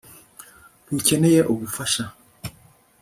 ntukeneye ubufasha